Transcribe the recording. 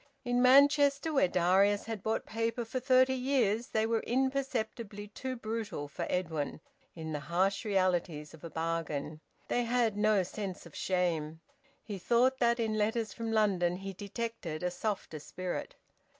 In Manchester, where Darius had bought paper for thirty years, they were imperceptibly too brutal for Edwin in the harsh realities of a bargain; they had no sense of shame. He thought that in letters from London he detected a softer spirit.